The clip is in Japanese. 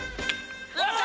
やった！